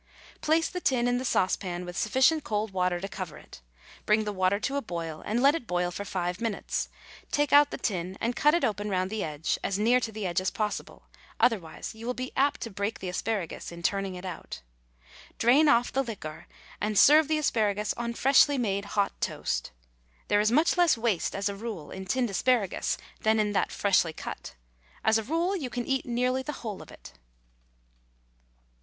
Place the tin in the saucepan with sufficient cold water to cover it. Bring the water to a boil and let it boil for five minutes; take out the tin and cut it open round the edge, as near to the edge as possible, otherwise you will be apt to break the asparagus in turning it out. Drain off the liquor and serve the asparagus on freshly made hot toast. There is much less waste as a rule in tinned asparagus than in that freshly cut. As a rule, you can eat nearly the whole of it.